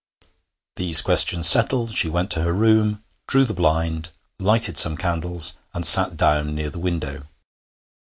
These questions settled, she went to her room, drew the blind, lighted some candles, and sat down near the window.